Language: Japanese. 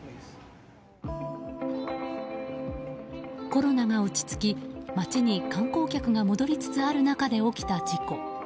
コロナが落ち着き街に観光客が戻りつつある中で起きた事故。